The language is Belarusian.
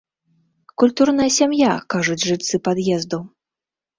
Культурная сям'я, кажуць жыльцы пад'езду.